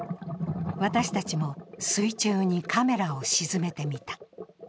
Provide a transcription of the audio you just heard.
私たちも水中にカメラを沈めてみた。